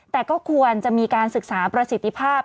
แต่ก็ควรจะมีการศึกษาประสิทธิภาพ